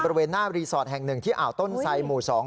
บริเวณหน้ารีสอร์ทแห่ง๑ที่อ่าวต้นไซหมู่๒